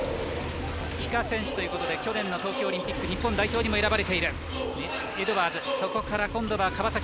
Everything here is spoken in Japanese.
帰化選手ということで去年の東京オリンピック日本代表にも選ばれているエドワーズ。